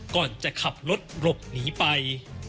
ก่อนจะขับรถหลบหนีไป